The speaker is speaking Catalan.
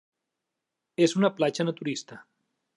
És una platja naturista.